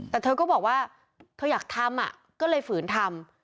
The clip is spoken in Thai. แต่เธอก็บอกว่าเธออยากทำก็เลยฝืนทำ